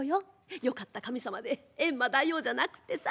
よかった神様でエンマ大王じゃなくってさ。